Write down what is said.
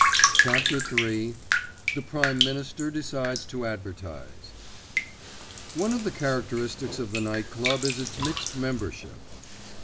*CHAPTER III* *THE PRIME MINISTER DECIDES TO ADVERTISE* One of the characteristics of the Night Club is its mixed membership.